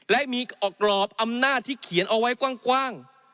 และมีกรอบอำนาจที่เขียนเอาไว้กว้าง